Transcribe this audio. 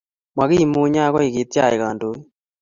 Makimunye akoi kityach kandoik